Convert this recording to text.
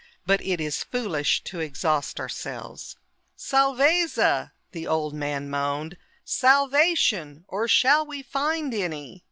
But it is foolish to exhaust ourselves." "Salvezza!" the old man moaned. "Salvation! Or shall we find any?"